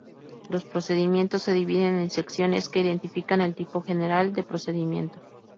Los procedimientos se dividen en secciones que identifican el tipo general de procedimiento.